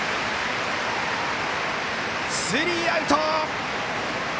スリーアウト！